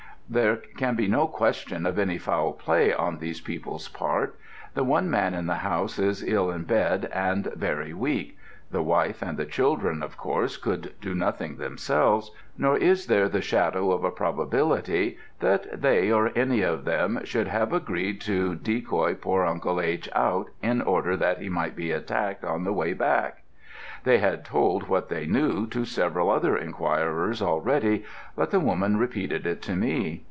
There can be no question of any foul play on these people's part. The one man in the house is ill in bed and very weak: the wife and the children of course could do nothing themselves, nor is there the shadow of a probability that they or any of them should have agreed to decoy poor Uncle H. out in order that he might be attacked on the way back. They had told what they knew to several other inquirers already, but the woman repeated it to me.